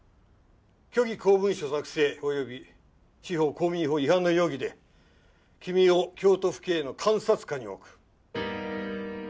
虚偽公文書作成及び地方公務員法違反の容疑で君を京都府警の監察下に置く。